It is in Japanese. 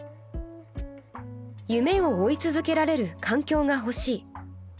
「夢を追い続けられる環境が欲しい。